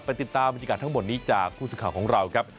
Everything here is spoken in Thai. ติดตามบรรยากาศทั้งหมดนี้จากผู้สื่อข่าวของเราครับ